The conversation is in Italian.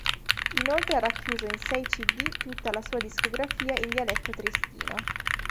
Inoltre ha racchiuso in sei cd tutta la sua discografia in dialetto triestino.